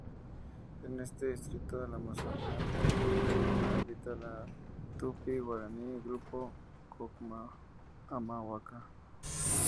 En este distrito de la Amazonia peruana habita la Tupi-Guaraní grupo Cocama-Amahuaca.